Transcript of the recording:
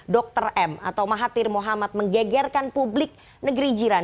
dr m atau mahathir mohamad menggegerkan publik negeri jiran